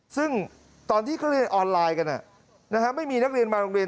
ซึ่งตอนที่เขาเรียนออนไลน์กันไม่มีนักเรียนมาโรงเรียน